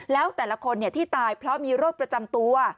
แล้วแต่ละคนที่ตายเพราะมีโรคประจำตัว